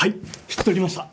引き取りました。